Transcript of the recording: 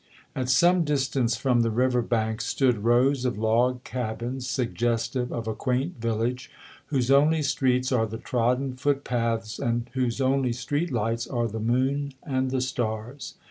At some distance from the river bank stood rows of log cabins suggestive of a quaint village whose only streets are the trodden footpaths and whose only street lights are the moon and the stars.